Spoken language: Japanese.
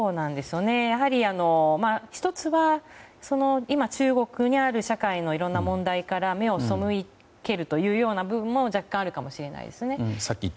やはり１つは今、中国にある社会のいろんな問題から目を背けるという部分も若干あるかもしれないですね。